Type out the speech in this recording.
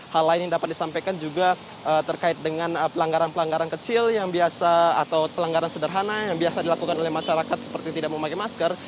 hal lain yang dapat disampaikan juga terkait dengan pelanggaran pelanggaran kecil yang biasa atau pelanggaran sederhana yang biasa dilakukan oleh masyarakat seperti tidak memakai masker